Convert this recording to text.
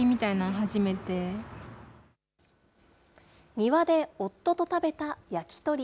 庭で夫と食べた焼き鳥。